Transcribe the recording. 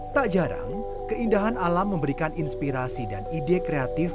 tak jarang keindahan alam memberikan inspirasi dan ide kreatif